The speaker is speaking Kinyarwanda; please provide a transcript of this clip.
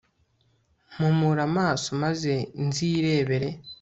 mpumura amaso maze nzirebere